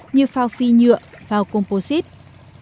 như phao phi nhựa phao composting